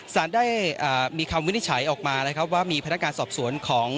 สารได้มีคำวินิจฉัยออกมานะครับว่ามีพนักงานสอบสวนของ